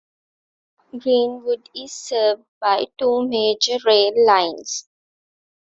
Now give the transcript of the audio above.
Greenwood is served by two major rail lines.